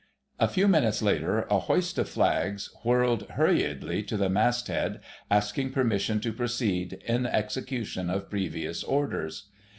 A few minutes later a hoist of flags, whirled hurriedly to the masthead, asking permission to proceed "in execution of previous orders."